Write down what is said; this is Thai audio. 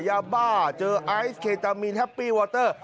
ยาบ้าเจอไอซ์เคตามีนแฮปปี้วอเตอร์